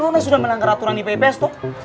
kamu sudah melanggar aturan ipps toh